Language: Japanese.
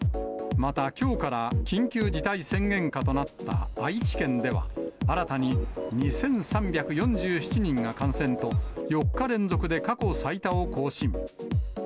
また、きょうから緊急事態宣言下となった愛知県では、新たに２３４７人が感染と、４日連続で過去最多を更新。